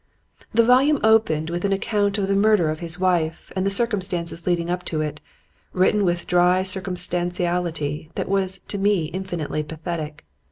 The volume opened with an account of the murder of his wife and the circumstances leading up to it, written with a dry circumstantiality that was to me infinitely pathetic.